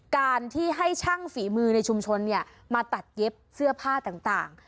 การที่ให้ช่างฝีมือในชุมชนมาตัดเย็บเสื้อผ้าต่าง